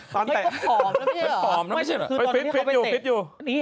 ก็ผอมนะพี่